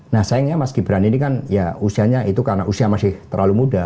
nah sayangnya mas gibran ini kan ya usianya itu karena usia masih terlalu muda